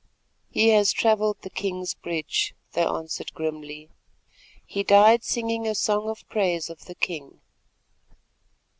"He has travelled the king's bridge," they answered grimly; "he died singing a song of praise of the king."